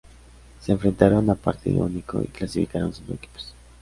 Se enfrentaron a partido único y clasificaron cinco equipos.